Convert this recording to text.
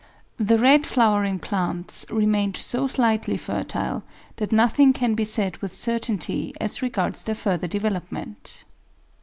The red flowering plants remained so slightly fertile that nothing can be said with certainty as regards their further development.